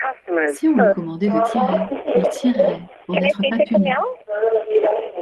Si on lui commandait de tirer, il tirerait, pour n’être pas puni.